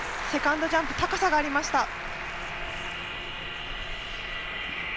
セカンドジャンプ高さがありました。